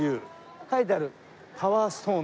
書いてある。